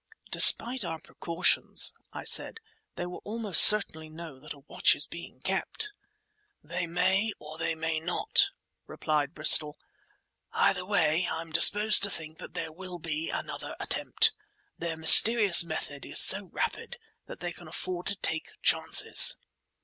"Despite our precautions," I said, "they will almost certainly know that a watch is being kept." "They may or they may not," replied Bristol. "Either way I'm disposed to think there will be another attempt. Their mysterious method is so rapid that they can afford to take chances."